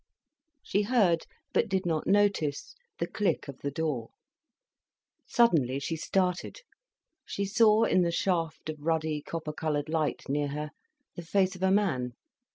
She heard, but did not notice the click of the door. Suddenly she started. She saw, in the shaft of ruddy, copper coloured light near her, the face of a man.